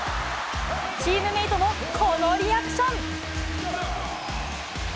チームメートもこのリアクション。